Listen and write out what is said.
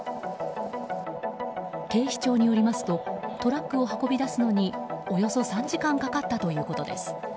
警視庁によりますとトラックを運び出すのにおよそ３時間かかったということです。